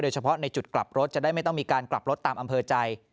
เฉพาะในจุดกลับรถจะได้ไม่ต้องมีการกลับรถตามอำเภอใจ